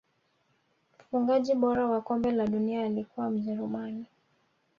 mfungaji bora wa kombe la dunia alikuwa mjerumani